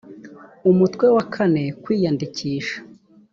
umutwe wa kane kwiyandikisha